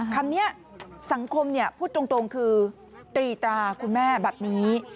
คำนี้สังคมพูดตรงคือตรีตราคุณแม่แบบนี้